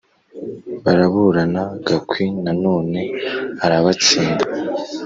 baraburana gakwi nanone arabatsinda.